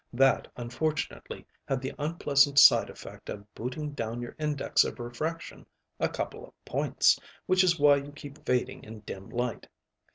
That, unfortunately had the unpleasant side effect of booting down your index of refraction a couple of points, which is why you keep fading in dim light.